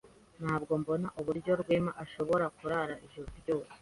Ntabwo mbona uburyo Rwema ashobora kurara ijoro ryose